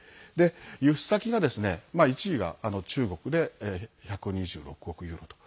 輸出先が、１位が中国で１２６億ユーロと。